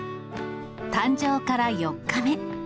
誕生から４日目。